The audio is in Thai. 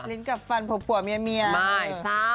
ลิ้นกับฟันผัวเมียซะ